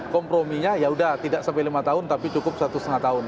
komprominya yaudah tidak sampai lima tahun tapi cukup satu setengah tahun